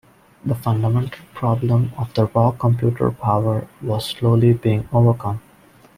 The fundamental problem of "raw computer power" was slowly being overcome.